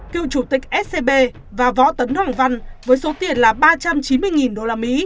cựu chủ tịch scb và võ tấn hoàng văn với số tiền là ba trăm chín mươi usd